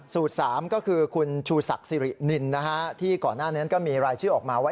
๓ก็คือคุณชูศักดิ์สิรินินนะฮะที่ก่อนหน้านั้นก็มีรายชื่อออกมาว่า